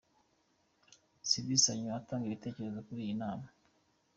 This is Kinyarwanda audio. Cindy Sanyu atanga igitekerezo muri iyi nama.